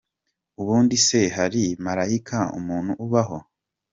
!ubundi se hari marayika muntu ubaho?